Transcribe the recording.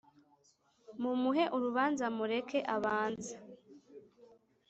Mumuhe urubanza Mureke abanze